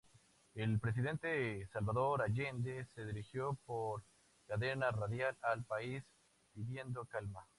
El presidente Salvador Allende se dirigió por cadena radial al país pidiendo calma.